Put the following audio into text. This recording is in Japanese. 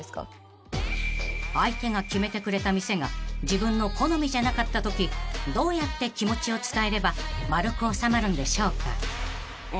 ［相手が決めてくれた店が自分の好みじゃなかったときどうやって気持ちを伝えれば丸く収まるんでしょうか？］